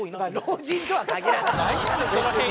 老人とは限らない。